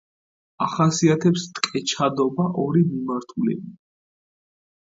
ახასიათებს ტკეჩადობა ორი მიმართულებით.